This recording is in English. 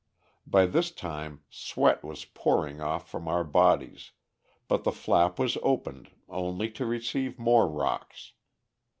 By this time sweat was pouring off from our bodies, but the flap was opened only to receive more rocks.